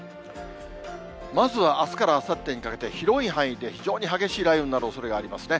まずはあすからあさってにかけて、広い範囲で非常に激しい雷雨になるおそれがありますね。